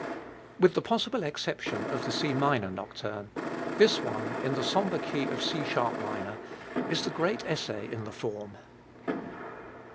With the possible exception of the C minor Nocturne, this one in the sombre key of C sharp minor is the great essay in the form.